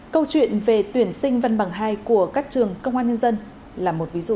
câu chuyện về tuyển sinh văn bằng hai của các trường công an nhân dân là một ví dụ